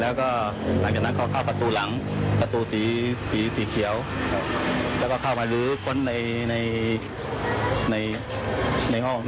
แล้วก็คิดว่าน่าจะมีแล้วมีมีดอยู่อันนึง